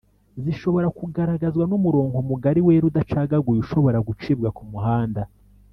zishobora kugaragazwa n’umurongo mugari wera udacagaguye ushobora gucibwa ku muhanda